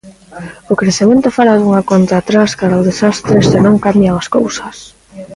O crecemento fala dunha conta atrás cara ao desastre se non cambian as cousas.